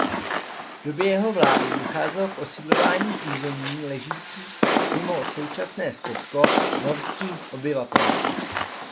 V době jeho vlády docházelo k osidlování území ležících mimo současné Skotsko norským obyvatelstvem.